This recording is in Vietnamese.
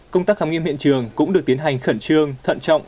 công tác khám nghiệm hiện trường cũng được tiến hành khẩn trương thận trọng